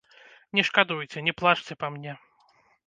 Не шкадуйце, не плачце па мне.